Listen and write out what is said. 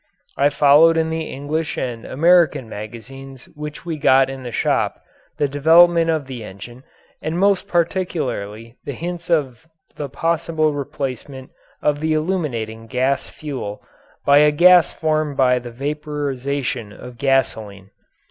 I followed in the English and American magazines which we got in the shop the development of the engine and most particularly the hints of the possible replacement of the illuminating gas fuel by a gas formed by the vaporization of gasoline.